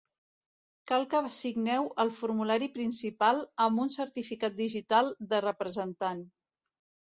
Cal que signeu el formulari principal amb un certificat digital de representant.